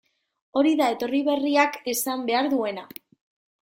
Hori da etorri berriak esan behar duena.